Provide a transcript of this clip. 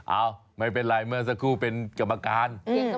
เอ้าไม่เป็นไรเมื่อสักครู่เป็นกรรมการ